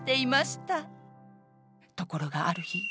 ところがある日。